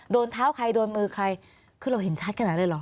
โดนเท้าใครโดนมือใครคือเราเห็นชัดขนาดนั้นเลยเหรอ